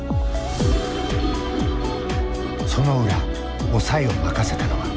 そのウラ抑えを任せたのは。